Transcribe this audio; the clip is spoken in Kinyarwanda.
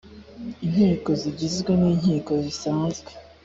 inkiko zigizwe n inkiko zisanzwe